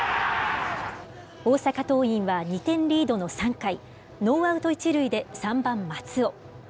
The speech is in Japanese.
大阪桐蔭は２点リードの３回、ノーアウト１塁で３番松尾。